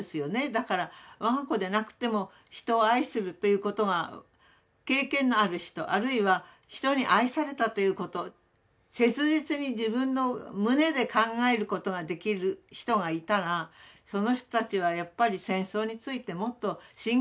だから我が子でなくても人を愛するということが経験のある人あるいは人に愛されたということ切実に自分の胸で考えることができる人がいたらその人たちはやっぱり戦争についてもっと真剣に考えると思う。